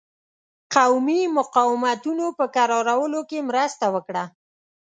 قومي مقاومتونو په کرارولو کې مرسته وکړه.